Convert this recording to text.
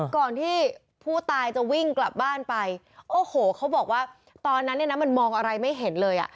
ก่อนที่ผู้ตายจะวิ่งกลับบ้านไปโอ้โหเขาบอกว่าตอนนั้นเนี่ยนะมันมองอะไรไม่เห็นเลยอ่ะ